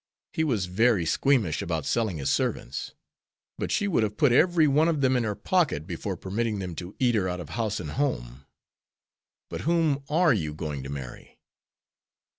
He was very squeamish about selling his servants, but she would have put every one of them in her pocket before permitting them to eat her out of house and home. But whom are you going to marry?"